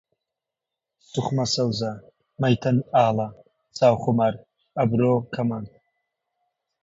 سوخمە سەوزە، مەیتەن ئاڵە، چاو خومار، ئەبرۆ کەمان